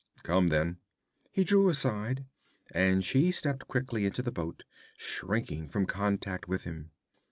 'Come, then.' He drew aside, and she stepped quickly into the boat, shrinking from contact with him.